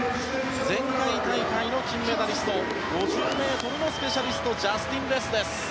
前回大会の金メダリスト５０ｍのスペシャリストジャスティン・レスです。